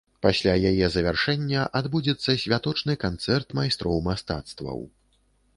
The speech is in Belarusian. Пасля яе завяршэння адбудзецца святочны канцэрт майстроў мастацтваў.